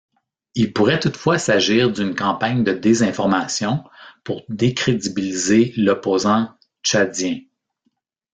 Il pourrait toutefois s'agir d'une campagne de désinformation pour décrédibiliser l'opposant tchadien.